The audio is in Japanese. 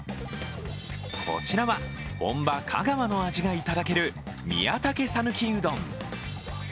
こちらは本場・香川の味がいただける宮武讃岐うどん。